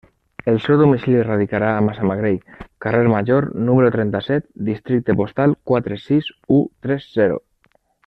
El seu domicili radicarà a Massamagrell, carrer Major, número trenta-set, districte postal quatre sis u tres zero.